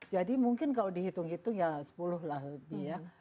jadi mungkin kalau dihitung hitung ya sepuluh lah lebih ya